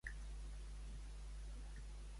Després de Madrid, Tiana.